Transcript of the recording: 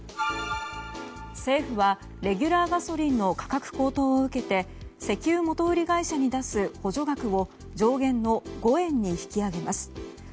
政府はレギュラーガソリンの価格高騰を受けて石油元売り会社に出す補助額を上限の５円に引き上げます。